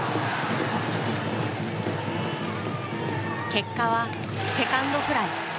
結果はセカンドフライ。